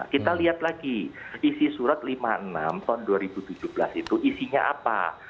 kita lihat lagi isi surat lima puluh enam tahun dua ribu tujuh belas itu isinya apa